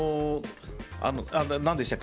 何でしたっけ？